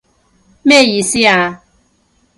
咩意思啊？